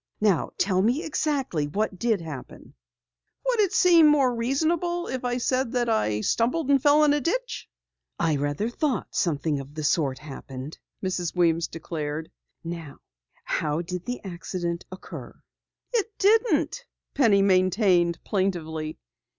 Now tell me exactly what did happen." "Would it seem more reasonable if I said that I stumbled and fell into a ditch?" "I rather thought something of the sort happened," Mrs. Weems declared. "How did the accident occur?" "It didn't," Penny maintained plaintively.